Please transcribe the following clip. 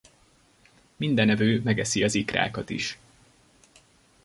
Mindenevő megeszi az ikrákat is.